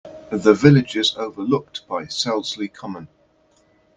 The village is overlooked by Selsley common.